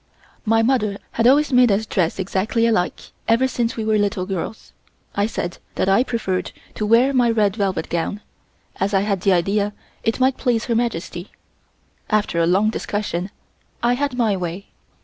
My mother had always made us dress exactly alike, ever since we were little girls. I said that I preferred to wear my red velvet gown, as I had the idea it might please Her Majesty. After a long discussion I had my way.